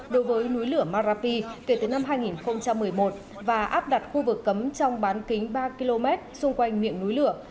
đối với núi lửa marapi kể từ năm hai nghìn một mươi một và áp đặt khu vực cấm trong bán kính ba km xung quanh miệng núi lửa